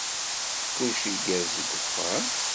Kullec igerrez deg uxxam?